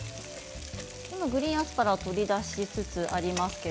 グリーンアスパラを取り出していますね。